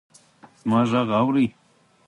زما ږغ اورې!